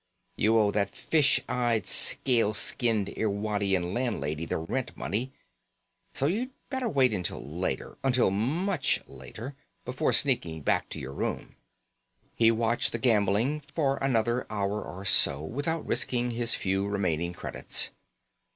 You owe that fish eyed, scale skinned Irwadian landlady the rent money, so you'd better wait until later, until much later, before sneaking back to your room. He watched the gambling for another hour or so without risking his few remaining credits.